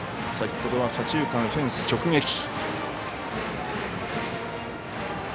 先ほどは左中間フェンス直撃。